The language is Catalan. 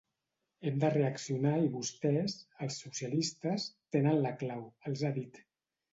Hem de reaccionar i vostès, els socialistes, tenen la clau, els ha dit.